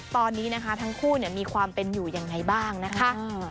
ตอนนี้นะคะทั้งคู่มีความเป็นอยู่ยังไงบ้างนะคะ